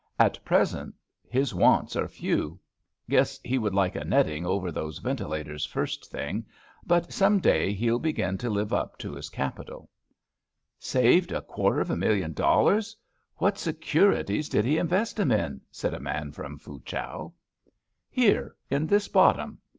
At present his wants are few — ^guess he would like a netting over those ventilators first thing — but some day he'll begin to live up to his capital/' Saved a quarter of a million dollars I What securities did he invest 'em in? " said a man from Foochow. " Here, in this bottom.